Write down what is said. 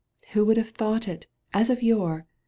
" Who would have thought it ? As of yore